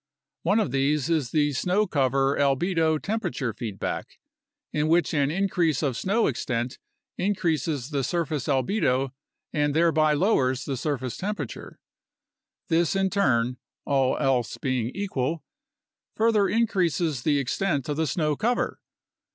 One of these is the snow cover albedo temperature feedback, in which an increase of snow extent increases the surface albedo and thereby lowers the surface temperature. This in turn (all else being equal) further increases the extent of the snow cover.